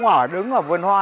ở về phía